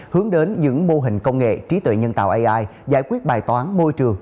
hướng đến những mô hình công nghệ trí tuệ nhân tạo ai giải quyết bài toán môi trường